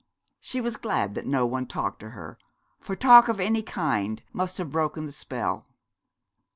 She was glad that no one talked to her, for talk of any kind must have broken the spell.